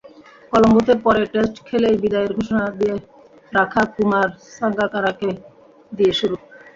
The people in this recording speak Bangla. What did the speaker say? কলম্বোতে পরের টেস্ট খেলেই বিদায়ের ঘোষণা দিয়ে রাখা কুমার সাঙ্গাকারাকে দিয়ে শুরু।